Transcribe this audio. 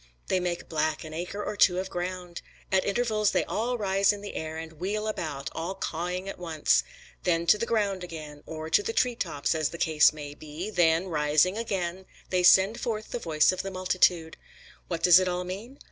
They make black an acre or two of ground. At intervals they all rise in the air, and wheel about, all cawing at once. Then to the ground again, or to the tree tops, as the case may be; then, rising again, they send forth the voice of the multitude. What does it all mean?